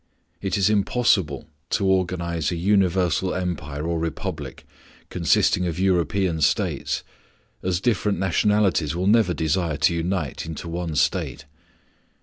It is impossible to organize a universal empire or republic, consisting of European States, as different nationalities will never desire to unite into one State.